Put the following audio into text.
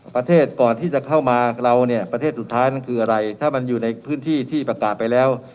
ประเทศก่อนที่จะเข้ามาเราเนี่ยประเทศสุดท้ายนั่นคืออะไรถ้ามันอยู่ในพื้นที่ที่ประกาศไปแล้ว